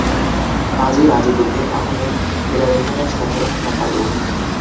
কাজী রাজিব উদ্দিন আহমেদ ফেডারেশনের সাধারণ সম্পাদক।